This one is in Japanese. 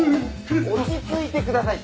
落ち着いてくださいって。